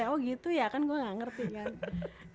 oh gitu ya kan gue gak ngerti kan